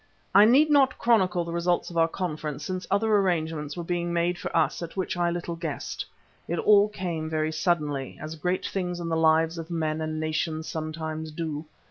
I need not chronicle the results of our conference since other arrangements were being made for us at which I little guessed. It all came very suddenly, as great things in the lives of men and nations sometimes do.